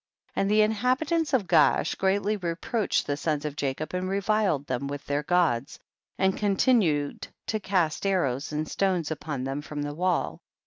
27. And the inhabitants of Gaash greatly reproached the sons of Jacob and reviled* them with their gods, and continued to cast arrows and stones upon them from the wall.